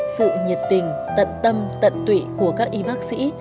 sự nhiệt tình tận tâm tận tụy của các y bác sĩ